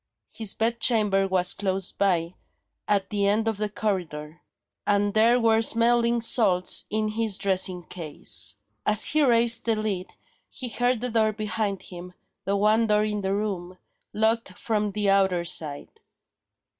His bed chamber was close by, at the end of the corridor; and there were smelling salts in his dressing case. As he raised the lid, he heard the door behind him, the one door in the room, locked from the outer side.